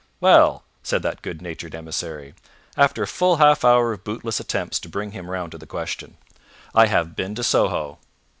"Well!" said that good natured emissary, after a full half hour of bootless attempts to bring him round to the question. "I have been to Soho."